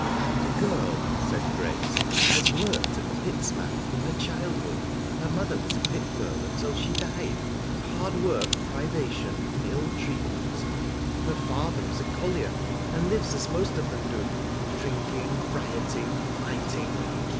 " That girl," said Grace, " has worked at the pit's mouth from her childhood ; her mother was a pit girl until she died— of hard work, privation and ill treatment. Her father is a collier and lives as most of them do — drinking, rioting, fighting.